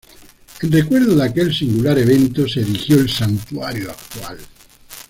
En recuerdo de aquel singular evento se erigió el santuario actual.